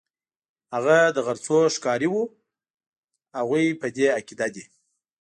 هغه د غرڅو ښکاري وو، هغوی په دې عقیده دي.